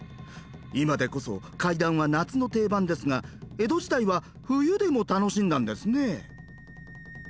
今でこそ怪談は夏の定番ですが江戸時代は冬でも楽しんだんですね。